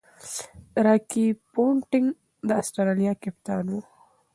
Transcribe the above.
راكي پونټنګ د اسټرالیا کپتان وو.